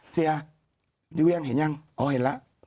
เสียนิ้วยังเห็นยังอ๋อเห็นแล้ว